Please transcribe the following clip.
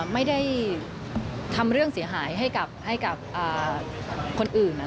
ไม่ได้ทำเรื่องเสียหายให้กับคนอื่น